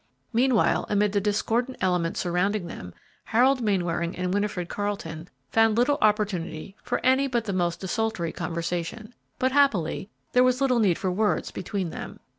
Meanwhile, amid the discordant elements surrounding them, Harold Mainwaring and Winifred Carleton found little opportunity for any but the most desultory conversation, but happily there was little need for words between them.